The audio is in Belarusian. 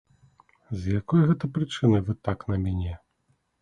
З якой гэта прычыны вы так на мяне?